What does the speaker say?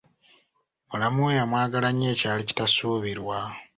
Mulamu we yamwagala nnyo ekyali kitasuubirwa.